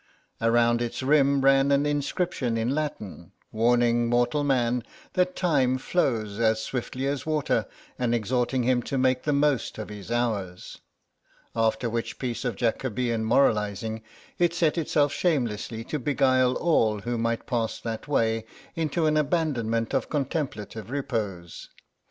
Around its rim ran an inscription in Latin, warning mortal man that time flows as swiftly as water and exhorting him to make the most of his hours; after which piece of Jacobean moralising it set itself shamelessly to beguile all who might pass that way into an abandonment of contemplative repose.